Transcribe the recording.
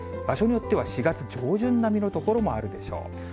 場所によっては、４月上旬並みの所もあるでしょう。